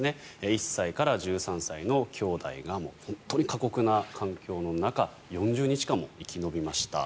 １歳から１３歳のきょうだいが本当に過酷な環境の中４０日間も生き延びました。